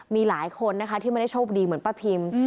มีหลายคนนะคะที่ไม่ได้โชคดีเหมือนป้าพิม